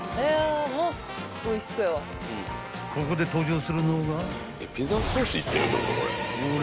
［ここで登場するのが］